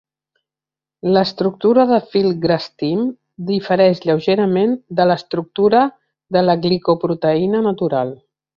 L'estructura de filgrastim difereix lleugerament de l'estructura de la glicoproteïna natural.